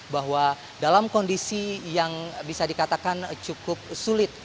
bahwa dalam kondisi yang bisa dikatakan cukup sulit